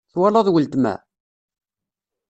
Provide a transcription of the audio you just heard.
Twalaḍ weltma?